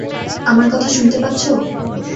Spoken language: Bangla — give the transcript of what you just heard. আমার কথা শুনতে পাচ্ছো?